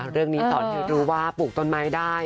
นะคะเรื่องนี้ตอนที่รู้ว่าปลูกต้นไม้ได้